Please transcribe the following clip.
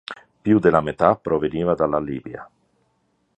Più della metà proveniva dalla Libia.